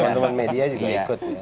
teman teman media juga ikut